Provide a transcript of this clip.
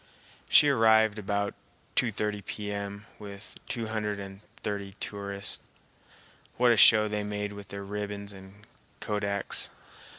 She arrived about 2.30 P.M. with two hundred and thirty tourists. What a show they made with their ribbons and kodaks!